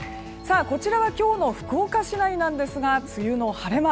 こちらは今日の福岡市内なんですが梅雨の晴れ間